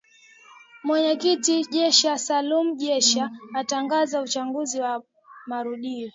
Mwenyekiti Jecha Salum Jecha akatangaza uchaguzi wa marudio